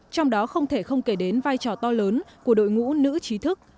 trong đó không thể không kể đến vai trò to lớn của đội ngũ nữ trí thức